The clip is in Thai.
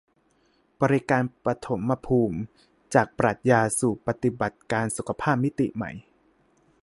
บริการปฐมภูมิ : จากปรัชญาสู่ปฏิบัติการสุขภาพมิติใหม่